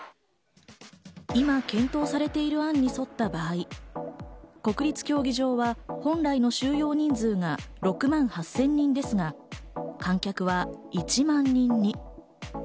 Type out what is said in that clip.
今、検討されている案に沿った場合、国立競技場は本来の収容人数が６万８０００人ですが、観客は１万人に。